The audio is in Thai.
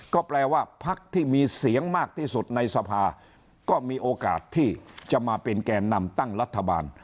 ก็แปลว่าพักที่มีเสียงมากที่สุดในสภาก็มีโอกาสที่จะมาเป็นแก่นำตั้งรัฐบาล